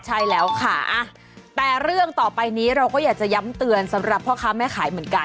ใช่แล้วค่ะแต่เรื่องต่อไปนี้เราก็อยากจะย้ำเตือนสำหรับพ่อค้าแม่ขายเหมือนกัน